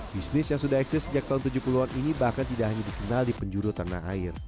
bisnis yang sudah eksis sejak tahun tujuh puluh an ini bahkan tidak hanya dikenal di penjuru tanah air